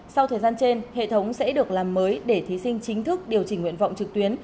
sau thời gian trên hệ thống sẽ được làm mới để thí sinh chính thức điều chỉnh nguyện vọng trực tuyến